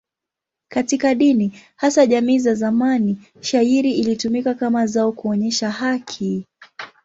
Katika dini, hasa jamii za zamani, shayiri ilitumika kama zao kuonyesha haki.